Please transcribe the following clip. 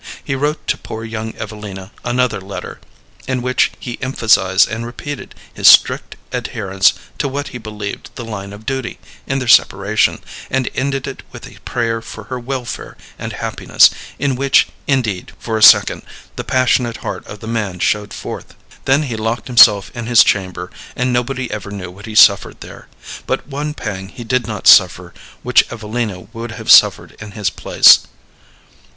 He wrote to poor young Evelina another letter, in which he emphasized and repeated his strict adherence to what he believed the line of duty in their separation, and ended it with a prayer for her welfare and happiness, in which, indeed, for a second, the passionate heart of the man showed forth. Then he locked himself in his chamber, and nobody ever knew what he suffered there. But one pang he did not suffer which Evelina would have suffered in his place.